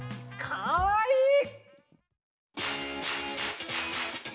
かわいい！